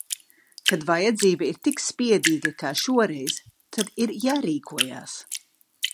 Kad vajadzība ir tik spiedīga, kā šoreiz, tad ir jārīkojas.